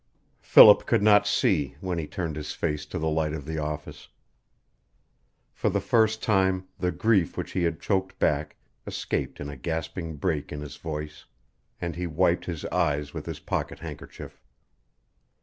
Philip could not see when he turned his face to the light of the office. For the first time the grief which he had choked back escaped in a gasping break in his voice, and he wiped his eyes with his pocket handkerchief.